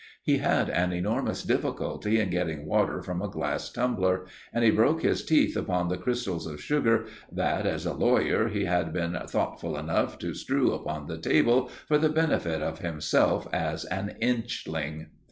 He had an enormous difficulty in getting water from a glass tumbler, and he broke his teeth upon the crystals of sugar that, as a lawyer, he had been thoughtful enough to strew upon the table for the benefit of himself as an Inchling.